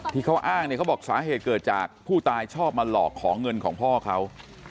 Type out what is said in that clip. ที่เขาอ้างเนี่ยเขาบอกสาเหตุเกิดจากผู้ตายชอบมาหลอกขอเงินของพ่อเขา